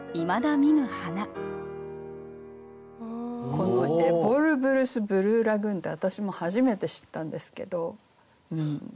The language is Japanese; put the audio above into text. この「エボルブルスブルーラグーン」って私も初めて知ったんですけど何だと思いますか？